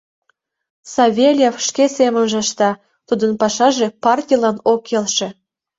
Савельев шке семынже ышта, тудын пашаже партийлан ок келше.